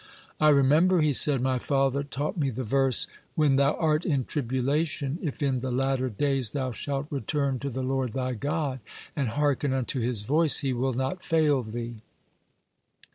"I remember," he said, "my father taught me the verse: 'When thou art in tribulation, if in the latter days thou shalt return to the Lord thy God, and hearken unto His voice, He will not fail thee.'